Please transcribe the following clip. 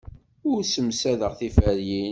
Ur ssemsadeɣ tiferyin.